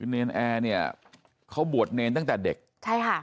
เนรนแอร์เนี่ยเขาบวชเนรตั้งแต่เด็กใช่ค่ะ